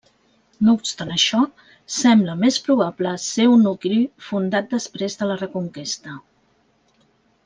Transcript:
No obstant això, sembla més probable ser un nucli fundat després de la Reconquesta.